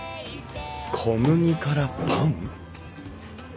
小麦からパン？